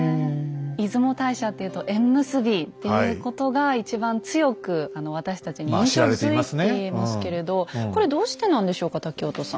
出雲大社っていうと縁結びっていうことが一番強く私たちに印象づいてますけれどこれどうしてなんでしょうか瀧音さん。